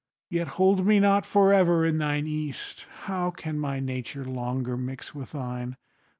Yet hold me not for ever in thine East: How can my nature longer mix with thine?